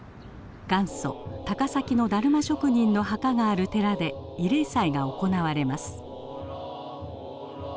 元祖高崎のだるま職人の墓がある寺で慰霊祭が行われます。